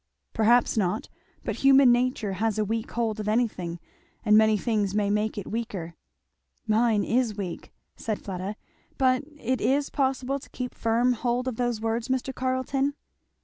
"Perhaps not; but human nature has a weak hold of anything, and many things may make it weaker." "Mine is weak," said Fleda. "But it is possible to keep firm hold of those words, Mr. Carleton?"